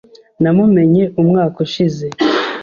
Namumenye umwaka ushize.